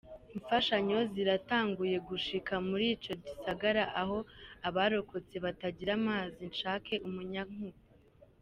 Imfashanyo ziratanguye gushika muri ico gisagara, aho abarokotse batagira amazi canke umuyagankuba.